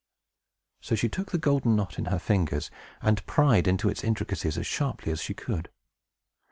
So she took the golden knot in her fingers, and pried into its intricacies as sharply as she could.